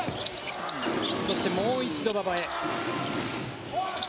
そして、もう一度、馬場へ。